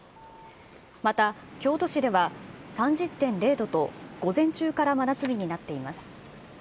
また京都市では３０．０度と午前中から真夏日になっています。